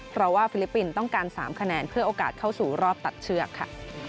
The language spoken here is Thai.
เพราะว่าฟิลิปปินส์ต้องการ๓คะแนนเพื่อโอกาสเข้าสู่รอบตัดเชือกค่ะ